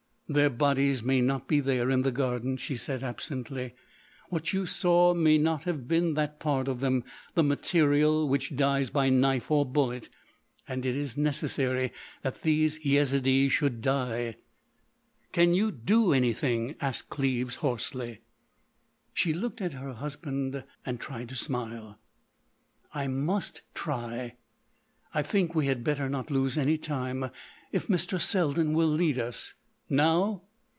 "Their bodies may not be there in the garden," she said absently. "What you saw may not have been that part of them—the material which dies by knife or bullet.... And it is necessary that these Yezidees should die." "Can you do anything?" asked Cleves, hoarsely. She looked at her husband; tried to smile: "I must try.... I think we had better not lose any time—if Mr. Selden will lead us." "Now?"